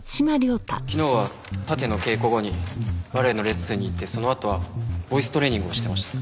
昨日は殺陣の稽古後にバレエのレッスンに行ってそのあとはボイストレーニングをしてました。